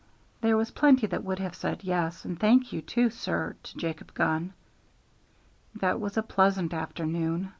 There was plenty that would have said yes, and thank you too, sir, to Jacob Gunn. That was a pleasant afternoon.